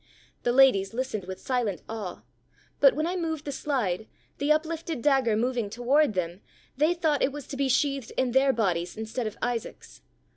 The ladies listened with silent awe ; but when I moved the slide, the uplifted dagger moving toward them, they thought it was to be sheathed in their bodies instead of Isaac's.